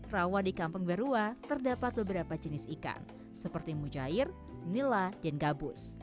rawa di kampung berua terdapat beberapa jenis ikan seperti mujair nila dan gabus